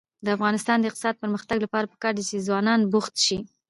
د افغانستان د اقتصادي پرمختګ لپاره پکار ده چې ځوانان بوخت شي.